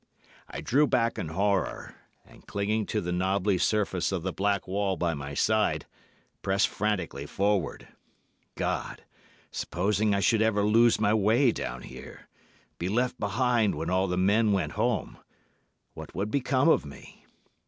"I drew back in horror, and clinging to the knobbly surface of the black wall by my side, pressed frantically forward. God, supposing I should ever lose my way down here—be left behind when all the men went home—what would become of me?